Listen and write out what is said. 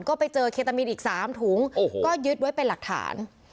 ก็ไปเจอเคตามีนอีก๓ถุงก็ยึดไว้เป็นหลักฐาน